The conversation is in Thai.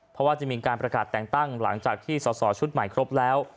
เพราะว่าจะมีการประกาศแต่งตั้งหลังจากที่สอสอชุดใหม่ครบแล้ว